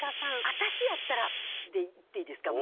私やったらでいっていいですか？